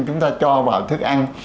chúng ta cho vào thức ăn